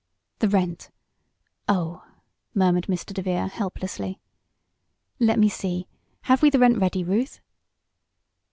"The rent Oh!" murmured Mr. DeVere, helplessly. "Let me see; have we the rent ready, Ruth?"